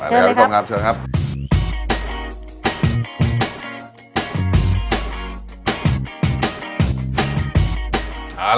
เชิญเลยครับครับเชิญครับครับครับ